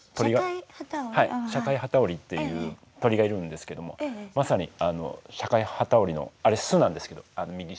はいシャカイハタオリっていう鳥がいるんですけどもまさにあのシャカイハタオリのあれ巣なんですけど右下。